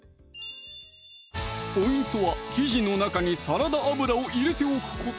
ポイントは生地の中にサラダ油を入れておくこと